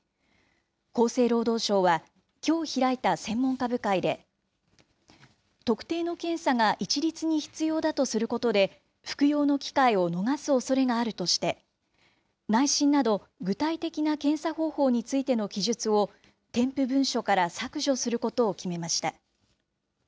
厚生労働省は、きょう開いた専門家部会で、特定の検査が一律に必要だとすることで、服用の機会を逃すおそれがあるとして、内診など、具体的な検査方法についての記述を、添付文書から削除することを決めました。